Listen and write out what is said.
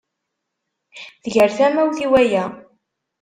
Tger tamawt i waya.